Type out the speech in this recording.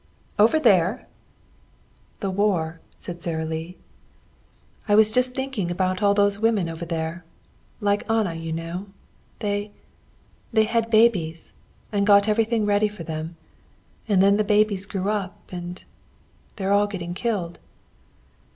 "Over there?" "The war," said Sara Lee. "I was just thinking about all those women over there like Anna, you know. They they had babies, and got everything ready for them. And then the babies grew up, and they're all getting killed."